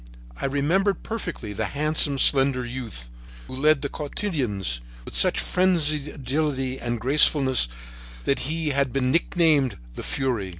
I remembered perfectly the handsome, slender youth who led the cotillons with such frenzied agility and gracefulness that he had been nicknamed "the fury."